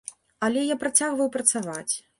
Але я працягваю працаваць.